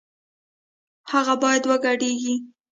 هغه بايد وګډېږي